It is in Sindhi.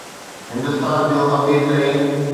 هندستان جو امير ترين